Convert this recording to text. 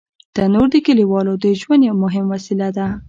تنور د کلیوالو د ژوند یو مهم وسیله ده